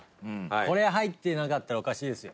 これ入ってなかったらおかしいですよ。